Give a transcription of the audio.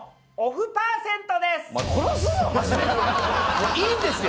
もういいんですよ！